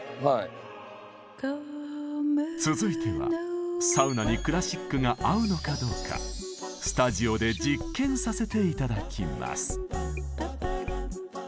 続いてはサウナにクラシックが合うのかどうかスタジオで実験させて頂きます。